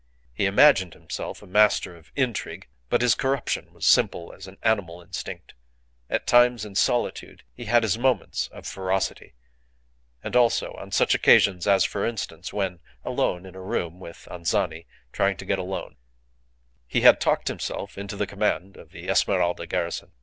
He imagined himself a master of intrigue, but his corruption was as simple as an animal instinct. At times, in solitude, he had his moments of ferocity, and also on such occasions as, for instance, when alone in a room with Anzani trying to get a loan. He had talked himself into the command of the Esmeralda garrison.